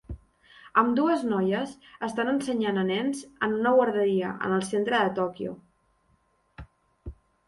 Ambdues noies estan ensenyant a nens en una guarderia en el centre de Tòquio.